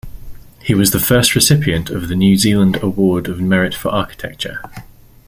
He was the first recipient of the New Zealand award of merit for architecture.